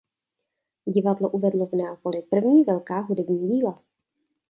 Divadlo uvedlo v Neapoli první velká hudební díla.